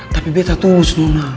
tapi beta tuh musuh nona